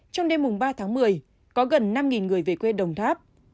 trong đêm ba tháng một mươi có gần năm người về quê đồng tháp